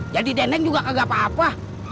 jadi dendeng juga kagak apa apa